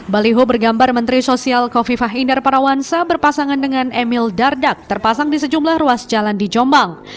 baliho bergambar menteri sosial kofifah indar parawansa berpasangan dengan emil dardak terpasang di sejumlah ruas jalan di jombang